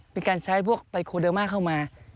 มีการใช้พวกไตโคเดอร์มาเข้ามา